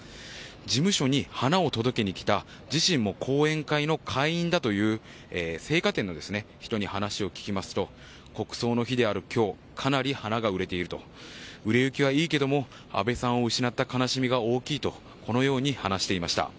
事務所に花を届けに来た自身も後援会の会員だという青果店の人に話を聞きますと国葬の日である今日かなり花が売れている売れ行きはいいけれども安倍さんを失った悲しみは大きいとこのように話していました。